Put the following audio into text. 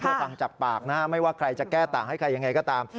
เพื่อฟังจากปากนะฮะไม่ว่าใครจะแก้ต่างให้ใครยังไงก็ตาม